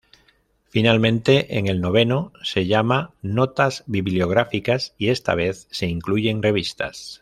Finalmente en el noveno, se llama "Notas Bibliográficas" y esta vez se incluyen revistas.